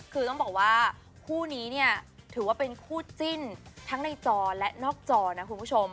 คือต้องบอกว่าคู่นี้เนี่ยถือว่าเป็นคู่จิ้นทั้งในจอและนอกจอนะคุณผู้ชม